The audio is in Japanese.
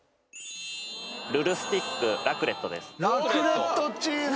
ル・ルスティックラクレットです。